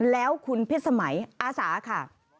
แล้วคุณพิษสมัยอาสาค่ะ